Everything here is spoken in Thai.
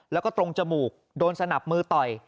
แล้วก็ตรงจมูกโดนสนับมือต่อย